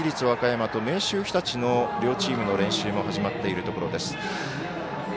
和歌山と明秀日立の両チームの練習も始まっているところです。